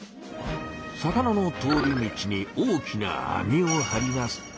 魚の通り道に大きな網をはります。